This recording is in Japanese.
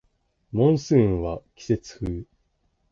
モンスーンは季節風